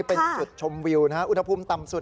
เป็นจุดชมวิวนะฮะอุณหภูมิต่ำสุด